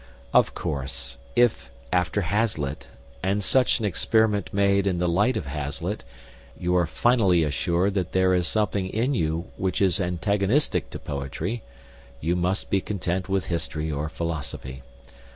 Of course, if, after Hazlitt, and such an experiment made in the light of Hazlitt, you are finally assured that there is something in you which is antagonistic to poetry, you must be content with history or philosophy.